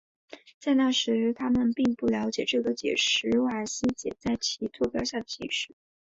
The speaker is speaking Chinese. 在那时他们并不了解这个解是史瓦西解在其他座标下的形式。